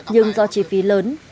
nhưng do chi phí lớn